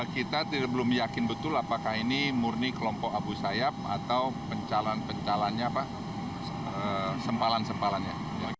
kita belum yakin betul apakah ini murni kelompok abu sayyaf atau pencalan pencalannya pak sempalan sempalannya